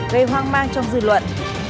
gây hoang mang trong dư luận